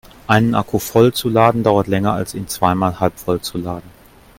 Einen Akku voll zu laden dauert länger als ihn zweimal halbvoll zu laden.